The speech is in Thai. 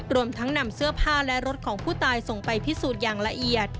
รวมทั้งนำเสื้อผ้าและรถของผู้ตายส่งไปพิสูจน์อย่างละเอียด